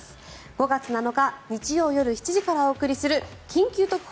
５月７日、日曜夜７時からお送りする「緊急特報！